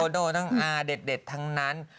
อโตโน่อเด็ดทั้งนั้น